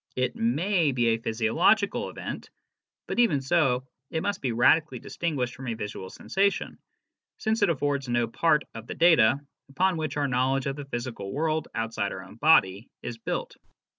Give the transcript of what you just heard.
It may be & physiological event, but even so it must be radically distinguished from a visual sensation, since it affords no part of the data upon which our knowledge of the physical world outside our own body is built.